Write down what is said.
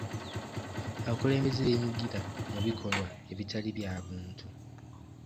Abakulembeze beenyigira mu bikolwa ebitali bya buntu.